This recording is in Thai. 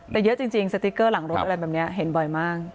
แต่เยอะจริงสติ๊กเกอร์หลังรถเห็นบ่อยมาก